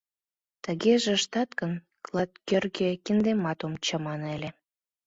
— Тыгеже ыштат гын, клат кӧргӧ киндемат ом чамане ыле!